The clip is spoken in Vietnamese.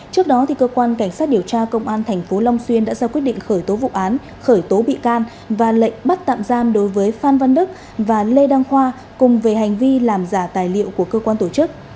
trước đó cơ quan cảnh sát điều tra công an tp long xuyên đã ra quyết định khởi tố vụ án khởi tố bị can và lệnh bắt tạm giam đối với phan văn đức và lê đăng khoa cùng về hành vi làm giả tài liệu của cơ quan tổ chức